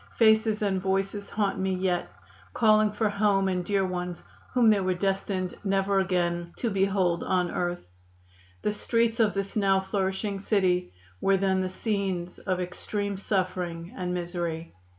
Faces and voices haunt me yet, calling for home and dear ones whom they were destined never again to behold on earth. The streets of this now flourishing city were then the scenes of extreme suffering and misery.